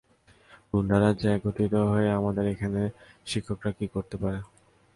গুন্ডারা যে একত্রিত হয়ে আমাদের এখানে শিক্ষকরা কী করতে পারে?